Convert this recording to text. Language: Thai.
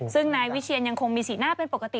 ซึ่งนายวิเชียนยังคงมีสีหน้าเป็นปกติ